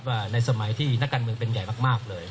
ในสมัยที่นักการเมืองเป็นใหญ่มากเลย